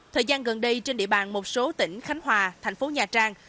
thời gian gần đây trên địa bàn một số tỉnh khánh hòa thành phố nha trang